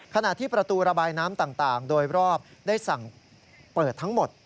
ขณะที่ประตูระบายน้ำต่างโดยรอบได้สั่งเปิดทั้งหมด